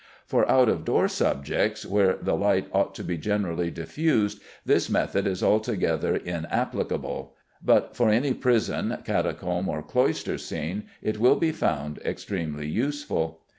For out of door subjects, where the light ought to be generally diffused, this method is altogether inapplicable, but for any prison, catacomb, or cloister scene, it will be found extremely useful.